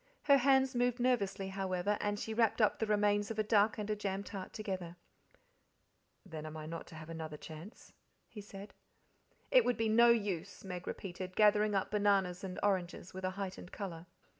Her hands moved nervously, however, and she wrapped up the remains of a duck and a jam tart together. "Then I am not to have another chance?" he said. "It would be no use," Meg repeated, gathering up bananas and oranges with a heightened colour.